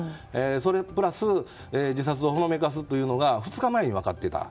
それプラス自殺をほのめかすというのが２日前に分かっていた。